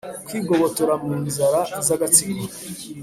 kwigobotora mu nzara z' agatsiko